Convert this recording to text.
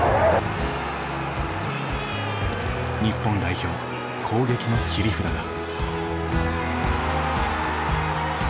日本代表攻撃の切り札だ。